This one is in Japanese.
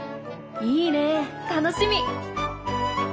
いいね楽しみ！